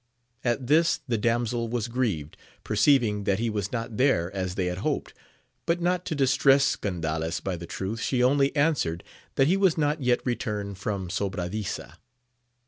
At this the damsel was grieved, perceiving that he was not there as they had hoped ; but, not to distress Gan dales by the truth, she only answered that he was not yet returned from Sobradisa.